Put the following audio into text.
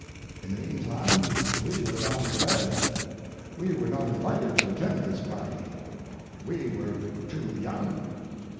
In the mean time we were gone to bed. We were not invited to attend this party; we were too young.